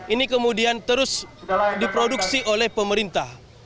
ini kemudian terus diproduksi oleh pemerintah